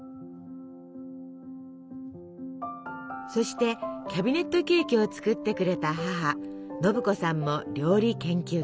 そしてキャビネットケーキを作ってくれた母信子さんも料理研究家。